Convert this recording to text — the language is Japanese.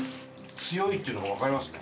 強いっていうのがわかりますね。